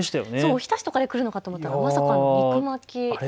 おひたしでくるかと思ったらまさかの肉巻き。